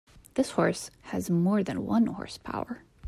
This horse has more than one horse power.